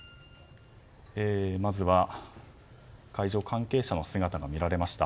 まずは、会場関係者の姿が見られました。